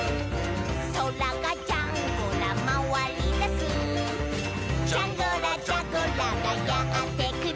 「そらがジャンゴラまわりだす」「ジャンゴラ・ジャゴラがやってくる」